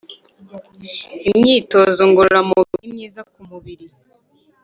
imyitozo ngorora mubiri ni myiza ku mubiri